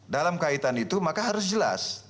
dalam kaitan itu maka harus jelas